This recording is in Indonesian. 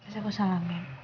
saya harus andiat